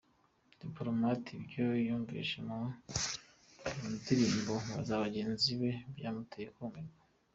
Diplomate ibyo yumvise mu ndirimbo za bagenzi be byamuteye kumirwa.